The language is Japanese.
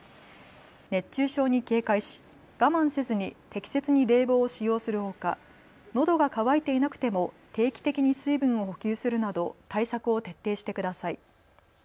熱中症に警戒し我慢せずに適切に冷房を使用するほか、のどが渇いていなくても定期的に水分を補給するなど対策を徹底してください。